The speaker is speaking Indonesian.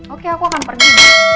oke aku akan pergi